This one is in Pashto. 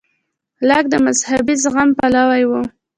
لاک د مذهبي زغم پلوی و.